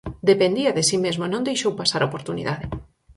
Dependía de si mesmo e o non deixou pasar a oportunidade.